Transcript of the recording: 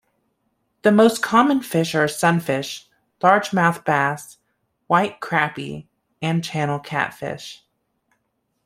The most common fish are sunfish, largemouth bass, white crappie and channel catfish.